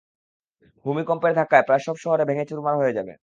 ভূমিকম্পের ধাক্কায়, প্রায় সব শহর ভেঙ্গে চুরমার হয়ে যাবে।